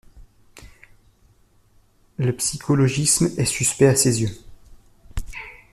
Le psychologisme est suspect à ses yeux.